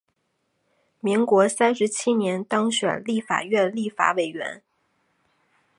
民国三十七年当选立法院立法委员。